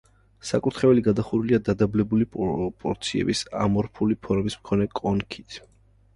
საკურთხეველი გადახურულია დადაბლებული პროპორციების, ამორფული ფორმის მქონე კონქით.